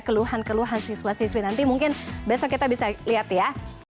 keluhan keluhan siswa siswi nanti mungkin besok kita bisa lihat ya